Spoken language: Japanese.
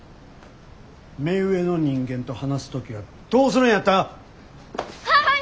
目上の人間と話す時はどうするんやった！？ははい！